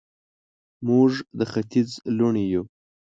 موږ د ختیځ لوڼې یو